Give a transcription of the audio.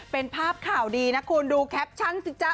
เป็นภาพข่าวดีนะคุณดูแคปชั่นสิจ๊ะ